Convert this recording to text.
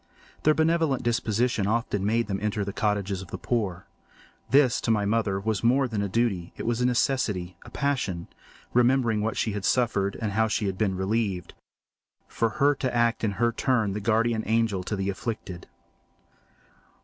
Their benevolent disposition often made them enter the cottages of the poor. This, to my mother, was more than a duty; it was a necessity, a passion—remembering what she had suffered, and how she had been relieved—for her to act in her turn the guardian angel to the afflicted.